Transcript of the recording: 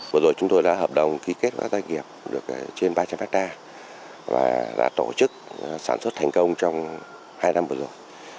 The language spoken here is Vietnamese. vừa rồi chúng tôi đã hợp đồng ký kết các doanh nghiệp được trên ba trăm linh hectare và đã tổ chức sản xuất thành công trong hai năm vừa rồi